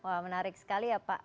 wah menarik sekali ya pak